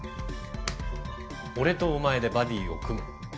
俺とお前でバディーを組む。